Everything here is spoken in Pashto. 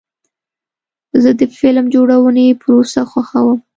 زه د فلم جوړونې پروسه خوښوم.